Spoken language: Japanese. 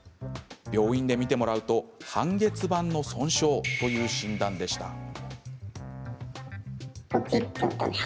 病院で診てもらうと半月板の損傷という診断でした。